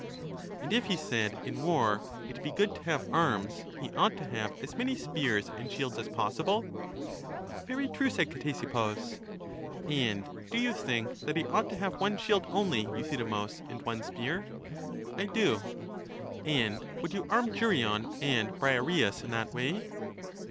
And if, he said, in war it be good to have arms, he ought to have as many spears and shields as possible? Very true, said Ctesippus; and do you think that EUTHYDEMUS 263 he ought to have one shield only, Euthydemus, and one spear? I do. And would you arm Geryon and Briareus in that way?